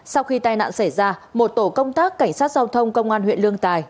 sau khi tai nạn xảy ra một tổ công tác cảnh sát giao thông công an huyện lương tài